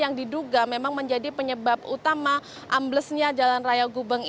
yang diduga memang menjadi penyebab utama amblesnya jalan raya gubeng